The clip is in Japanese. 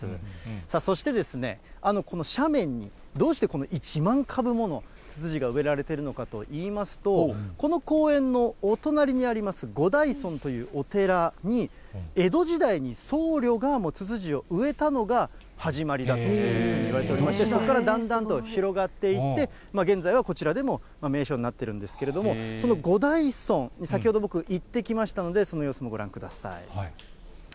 さあ、そしてですね、この斜面に、どうしてこの１万株ものツツジが植えられているのかといいますと、この公園のお隣にあります五大尊というお寺に、江戸時代に僧侶がツツジを植えたのが始まりだというふうにいわれておりまして、そこからだんだんと広がっていって、現在はこちらでも名所になっているんですけれども、その五大尊に、先ほど、僕、行ってきましたので、その様子もご覧ください。